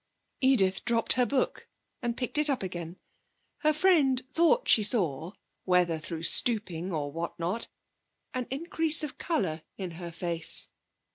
Edith dropped her book, and picked it up again. Her friend thought she saw, whether through stooping or what not, an increase of colour in her face.